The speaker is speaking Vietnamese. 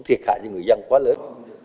thì thiệt hại cho người dân quá lớn